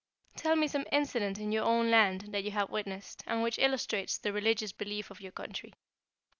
"Tell me some incident in your own land that you have witnessed, and which illustrates the religious belief of your country."